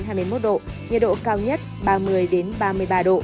nhiệt độ cao nhất ba mươi ba mươi ba độ